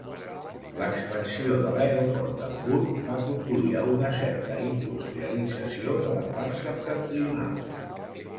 L'expansió de l'aeroport d'Hamburg va conduir a una certa industrialització de la part septentrional.